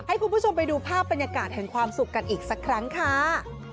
ให้คุณผู้ชมไปดูภาพบรรยากาศแห่งความสุขกันอีกสักครั้งค่ะ